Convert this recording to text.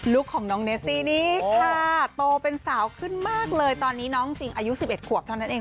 ของน้องเนสซี่นี้ค่ะโตเป็นสาวขึ้นมากเลยตอนนี้น้องจริงอายุ๑๑ขวบเท่านั้นเอง